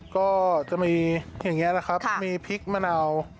ก็จะมีอย่างนี้นะครับมีพริกมะนาว